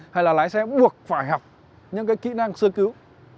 hay là lái xe buộc phải học những cái kỹ năng sơ cứu